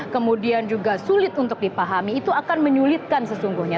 kemudian juga sulit untuk dipahami itu akan menyulitkan sesungguhnya